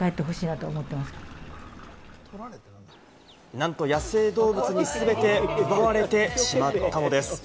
なんと野生動物に全て奪われてしまったのです。